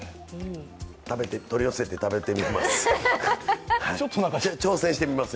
取り寄せて食べてみます。